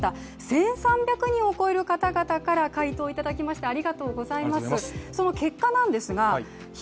１３００人を超える方々から回答を頂きました、ありがとうございます。